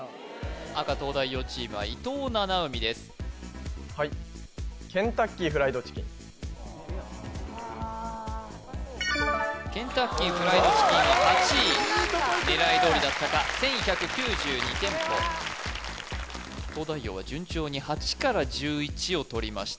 赤東大王チームは伊藤七海ですはいケンタッキーフライドチキンは８位狙いどおりだったか１１９２店舗東大王は順調に８から１１を取りました